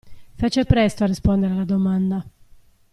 Fece presto a rispondere alla domanda.